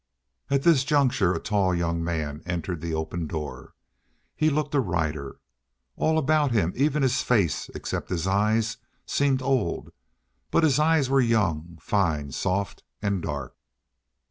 At this juncture a tall young man entered the open door. He looked a rider. All about him, even his face, except his eyes, seemed old, but his eyes were young, fine, soft, and dark.